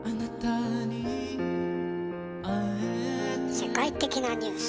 「世界的なニュース」。